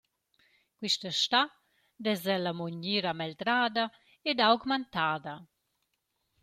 Quista stà dess ella amo gnir amegldrada ed augmantada.